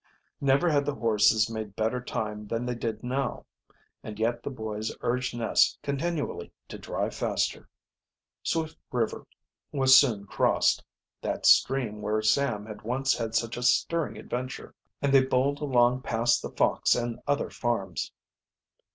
Never had the horses made better time than they did now, and yet the boys urged Ness continually to drive faster. Swift River was soon crossed that stream where Sam had once had such a stirring adventure and they bowled along past the Fox and other farms.